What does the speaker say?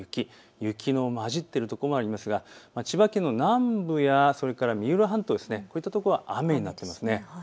雪の交じっている所がありますが千葉県の南部や三浦半島、こういったところは雨になっています。